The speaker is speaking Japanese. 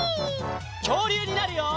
きょうりゅうになるよ！